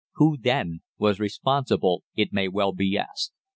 "'Who, then, was responsible?' it may well be asked.